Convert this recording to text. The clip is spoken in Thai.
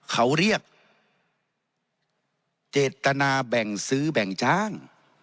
เขาเรียกเจตนาแบ่งซื้อแบ่งจ้าง